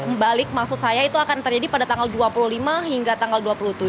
kembali maksud saya itu akan terjadi pada tanggal dua puluh lima hingga tanggal dua puluh tujuh